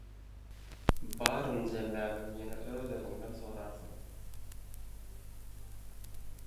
baryny jemläbem ýene öz-özüňden sorarsyň: